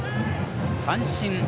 三振。